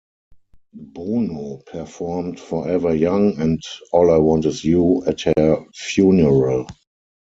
Bono performed "Forever Young" and "All I Want Is You" at her funeral.